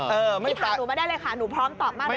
เออไม่ตายพี่ขาหนูมาได้เลยค่ะหนูพร้อมตอบมากเลย